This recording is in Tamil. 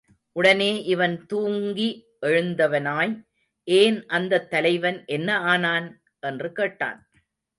உடனே இவன் தூங்கி எழுந்தவனாய், ஏன் அந்தத் தலைவன் என்ன ஆனான்? என்று கேட்டான்.